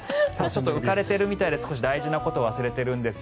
浮かれているみたいで少し大事なことを忘れているんです。